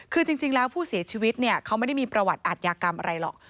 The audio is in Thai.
คือจริงแล้วผู้เสียชีวิตเนี่ยเขาไม่ได้มีประวัติอาทยากรรมอะไรหรอก